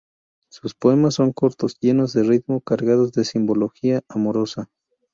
Sus poemas son cortos, llenos de ritmo, cargados de simbología amorosa.